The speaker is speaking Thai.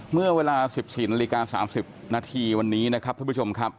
เมื่อเวลา๑๔นาฬิกา๓๐นาทีวันนี้นะครับท่านผู้ชมครับ